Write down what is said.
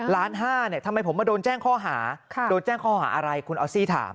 ล้านห้าเนี่ยทำไมผมมาโดนแจ้งข้อหาโดนแจ้งข้อหาอะไรคุณออสซี่ถาม